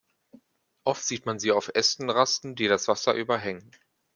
Oft sieht man sie auf Ästen rasten, die das Wasser überhängen.